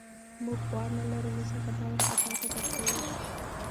موږ غوا نه لرو نو ځکه دا واښه تاته درکوو.